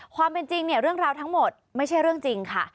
ความเป็นจริงเนี่ยเรื่องราวทั้งหมดไม่ใช่เรื่องจริงค่ะ